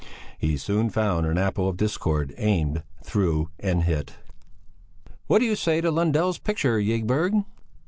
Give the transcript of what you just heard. He soon found an apple of discord, aimed, threw, and hit. "What do you say to Lundell's picture, Ygberg?"